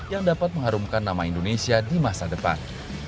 yang dapat mengharumkan nama indonesia di masa depan